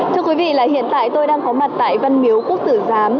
thưa quý vị là hiện tại tôi đang có mặt tại văn miếu quốc tử giám